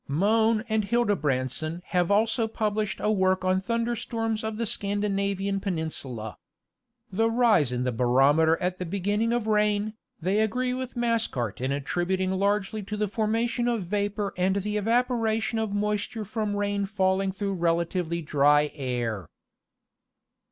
Mohn and Hildebrandsson have also published a work on the thunder storms of the Scandinavian peninsula. The rise in the barometer at the beginning of rain, they agree with Masecart in attributing largely to the formation of vapor and the evaporation of moisture from rain falling through relatively dry air.